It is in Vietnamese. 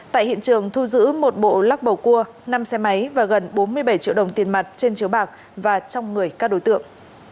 tại hiện trường thu giữ một bộ lắc bầu cua năm xe máy và gần bốn mươi bảy triệu đồng tiền mặt trên chiếu bạc và trong người các đối tượng